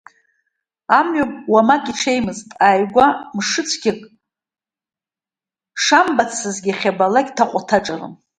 Амҩа уамак иҽеимызт, ааигәа мшцәгьак шамбацызгьы, иахьабалак ҭаҟәаҭаҿаран.